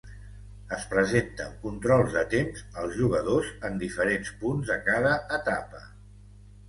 Es presenten controls de temps al jugador en diferents punts de cada etapa.